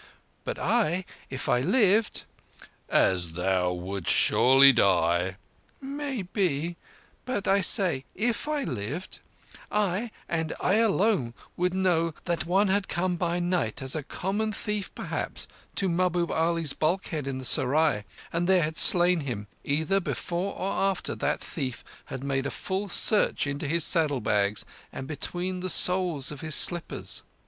But I—if I lived—" "As thou wouldst surely die—" "It may be; but I say, if I lived, I, and I alone, would know that one had come by night, as a common thief perhaps, to Mahbub Ali's bulkhead in the serai, and there had slain him, either before or after that thief had made a full search into his saddlebags and between the soles of his slippers.